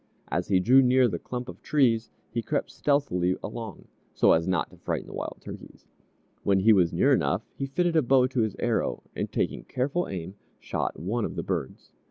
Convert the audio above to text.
As he drew near the clump of trees, he crept stealthily along, so as not to frighten the wild turkeys. When he was near enough, he fitted a bow to his arrow, and taking careful aim, shot one of the birds.